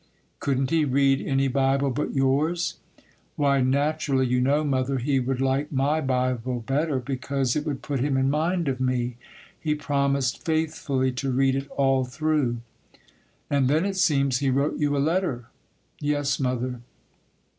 'Couldn't he read any Bible but yours?' 'Why, naturally, you know, mother, he would like my Bible better, because it would put him in mind of me. He promised faithfully to read it all through.' 'And then, it seems, he wrote you a letter.' 'Yes, mother.